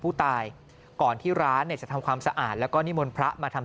ผู้ตายก่อนที่ร้านเนี่ยจะทำความสะอาดแล้วก็นิมนต์พระมาทำ